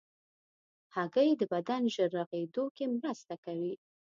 هګۍ د بدن ژر رغېدو کې مرسته کوي.